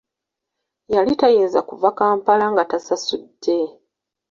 Yali tayinza kuva Kampala nga tasasudde.